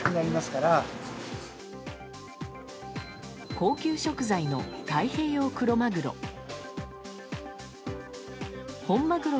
高級食材の太平洋クロマグロ。